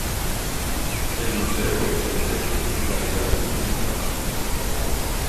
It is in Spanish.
El museo es de titularidad municipal.